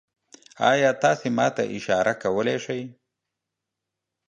ایا تاسو ما ته اشاره کولی شئ؟